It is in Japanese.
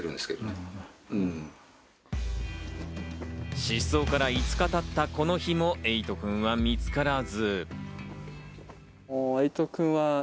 失踪から５日経ったこの日もエイトくんは見つからず。